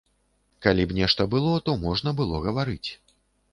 Калі б нешта было, то можна было гаварыць.